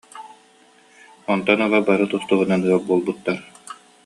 Онтон ыла бары тус-туһунан ыал буолбуттар